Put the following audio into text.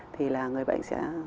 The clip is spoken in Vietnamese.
thì là người bệnh sẽ